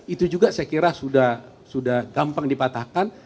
itu juga saya kira sudah gampang dipatahkan